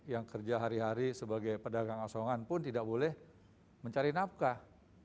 yang kerja hari hari sebagai pedagang asongan pun tidak boleh mencari nafkah